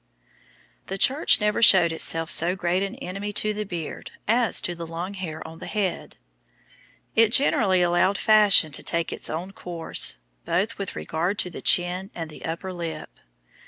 The Church never shewed itself so great an enemy to the beard as to long hair on the head. It generally allowed fashion to take its own course, both with regard to the chin and the upper lip.